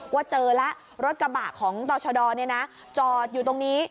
ว่าเจอแล้วรถกระบะของต่อชะดอจอดอยู่ตรงนี้